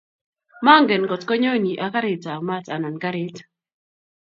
magen kotko nyoni ak garit ab mat anan garit